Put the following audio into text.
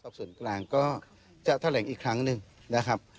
ส่วนกลางก็จะแถลงอีกครั้งหนึ่งนะครับ